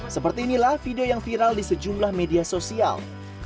seperti inilah video yang viral di sejumlah media sosial